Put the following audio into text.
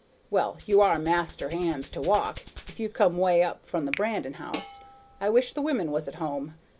Well, you are master hands to walk, if you come way up from the Brandon house. I wish the women was at home.